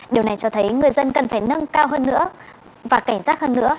điều này cho thấy người dân cần phải nâng cao hơn nữa và cảnh giác hơn nữa